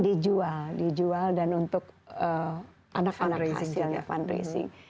dijual dijual dan untuk anak anak hasilnya fundraising